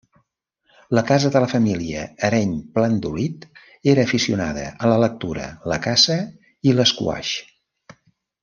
La casa de la família Areny-Plandolit era aficionada a la lectura, la caça i l'esquaix.